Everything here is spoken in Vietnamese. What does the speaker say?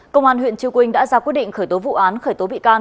công an huyện chư quynh đã ra quyết định khởi tố vụ án khởi tố bị can